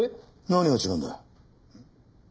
何が違うんだ？